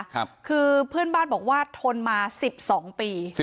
เพื่อนบ้านบอกว่าทนมา๑๒ปี